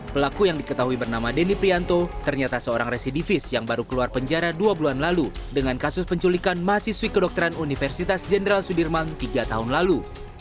pelaku yang diketahui bernama denny prianto ternyata seorang residivis yang baru keluar penjara dua bulan lalu dengan kasus penculikan mahasiswi kedokteran universitas jenderal sudirman tiga tahun lalu